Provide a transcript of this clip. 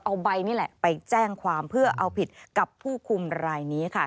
เอาใบนี่แหละไปแจ้งความเพื่อเอาผิดกับผู้คุมรายนี้ค่ะ